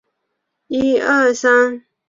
父亲是国画家兼中医。